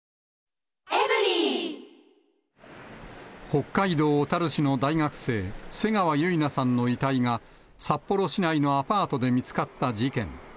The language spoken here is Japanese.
北海道小樽市の大学生、瀬川結菜さんの遺体が、札幌市内のアパートで見つかった事件。